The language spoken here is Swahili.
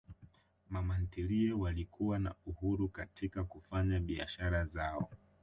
Mama ntilie walikuwa na uhuru katika kufanya biashara zao